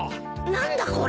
何だこれ？